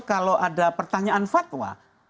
kalau ada pertanyaan fatwa